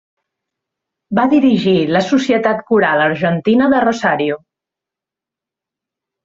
Va dirigir la Societat Coral Argentina de Rosario.